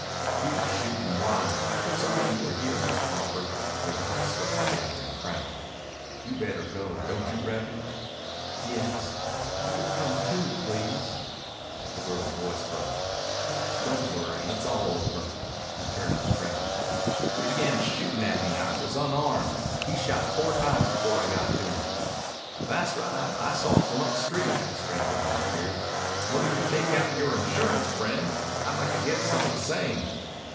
"He was shootin' wild. Sorry you were here, Miss Crawford." His eyes swept the gathering crowd. "You'd better go, don't you reckon?" "Yes.... You come too, please." The girl's voice broke. "Don't worry. It's all over." He turned to the crowd. "He began shootin 'at me. I was unarmed. He shot four times before I got to him." "Tha's right. I saw it from up street," a stranger volunteered. "Where do you take out yore insurance, friend? I'd like to get some of the same."